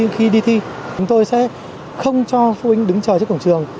khi đi thi chúng tôi sẽ không cho phụ huynh đứng chờ trước cổng trường